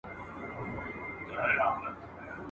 ښکاري زرکه !.